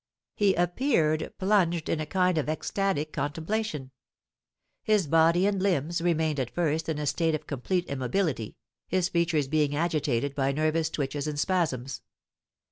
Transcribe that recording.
He appeared plunged in a kind of ecstatic contemplation; his body and limbs remained at first in a state of complete immobility, his features being agitated by nervous twitches and spasms.